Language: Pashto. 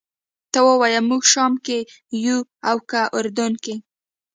ته ووایه موږ شام کې یو او که اردن کې.